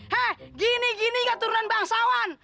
hah gini gini gak turun bangsawan